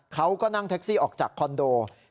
เขาก็นั่งแท็กซี่ออกจากคอนโด